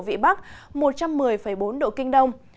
vào khoảng hai mươi một sáu độ vĩ bắc một trăm một mươi bốn độ kinh đông